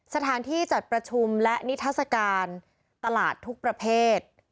สถานที่จัดประชุมและนิทัศกาลตลาดทุกประเภท